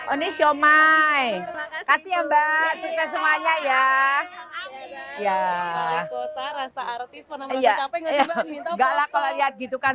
on i'm my kasih ya mbak semuanya ya ya ya acknowledges ngajaknya gimanaadd occasion gitu kan